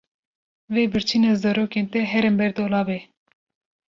Wê birçîna zarokên te herin ber dolabê.